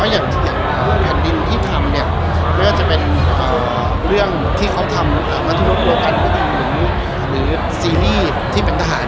แล้วเขาช่วยที่นุ้มเลือกก็เลยได้ดูคอเขาด้วยก็เลยเห็นชัด